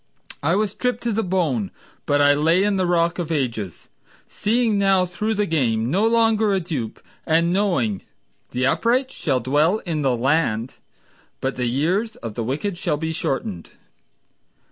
I was stripped to the bone, but I lay in the Rock of Ages, Seeing now through the game, no longer a dupe, And knowing "the upright shall dwell in the land But the years of the wicked shall be shortened."